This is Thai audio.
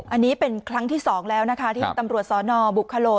อันนี้เป็นครั้งที่๒แล้วนะคะที่ตำรวจสนบุคโล